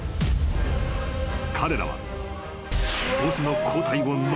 ［彼らは］